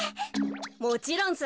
もちろんさ。